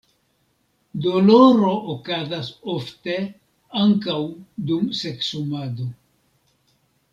Doloro okazas ofte ankaŭ dum seksumado.